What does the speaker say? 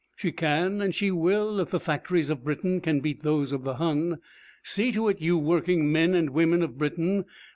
She can and she will if the factories of Britain can beat those of the Hun. See to it, you working men and women of Britain.